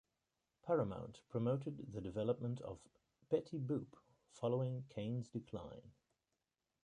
Paramount promoted the development of Betty Boop following Kane's decline.